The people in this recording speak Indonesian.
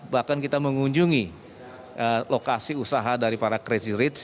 bahkan kita mengunjungi lokasi usaha dari para crazy rich